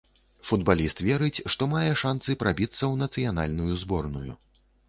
Футбаліст верыць, што мае шанцы прабіцца ў нацыянальную зборную.